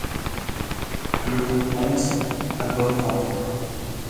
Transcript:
Le groupe compte albums vendus.